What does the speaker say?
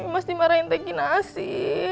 imas dimarahin tegi nasi